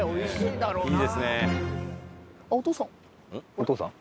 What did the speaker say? お父さん？